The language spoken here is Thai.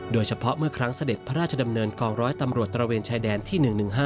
เมื่อครั้งเสด็จพระราชดำเนินกองร้อยตำรวจตระเวนชายแดนที่๑๑๕